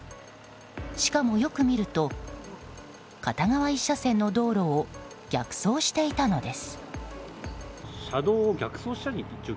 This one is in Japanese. しかもよく見ると片側１車線の道路を逆走していたのです。